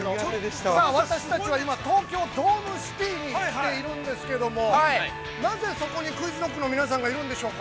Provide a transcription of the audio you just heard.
◆私たちは今、東京ドームシティに来ているんですけども、なぜそこにクイズノックの皆さんがいるんでしょうか。